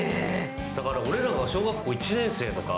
俺らが小学校１年生とか。